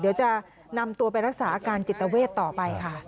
เดี๋ยวจะนำตัวไปรักษาอาการจิตเวทต่อไปค่ะ